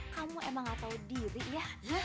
kamu emang nggak tahu diri ya